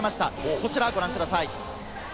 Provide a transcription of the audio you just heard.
こちらをご覧ください。